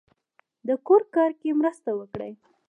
د کور کار کې مرسته وکړئ